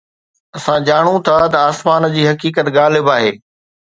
اسان ڄاڻون ٿا ته آسمان جي حقيقت غالب آهي